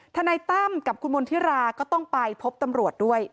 ทนายตั้มกับคุณมณฑิราก็ต้องไปพบตำรวจด้วย